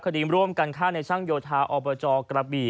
คดีร่วมกันฆ่าในช่างโยธาอบจกระบี่